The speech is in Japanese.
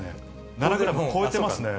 ７グラム超えてますね。